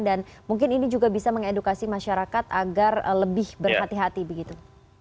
dan mungkin ini juga bisa mengedukasi masyarakat agar lebih berhati hati begitu